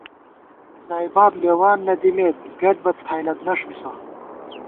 ژائےباب کی لېوان نہ دِمېت، گئیت بہ څھائیلَتنݭ بِسہ